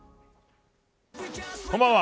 こんばんは。